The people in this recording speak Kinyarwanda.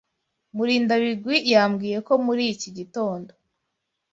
Murindabigwi yambwiye ko muri iki gitondo.